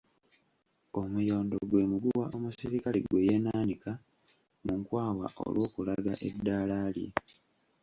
Omuyondo gwe muguwa omusirikale gwe yeenaanika mu nkwawa olw’okulaga eddaala lye.